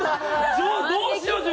どうしよう？